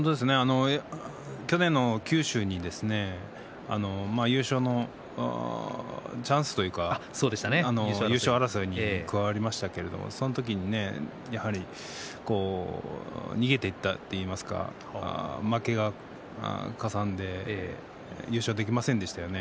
去年の九州に優勝のチャンスというか優勝争いに加わりましたけどその時に、やはり逃げていったといいますか負けがかさんで優勝はできませんでしたね。